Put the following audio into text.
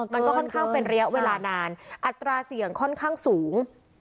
มันก็ค่อนข้างเป็นระยะเวลานานอัตราเสี่ยงค่อนข้างสูง